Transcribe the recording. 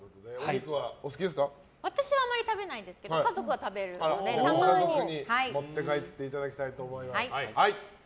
私はあんまり食べないですけど家族に持って帰っていただきたいと思います。